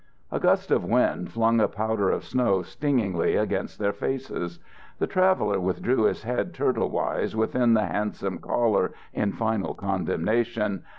A gust of wind flung a powder of snow stingingly against their faces. The traveller withdrew his head turtlewise within the handsome collar in final condemnation.